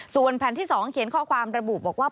ส่วนแผ่นที่๒เขียนข้อความระบุบอกว่า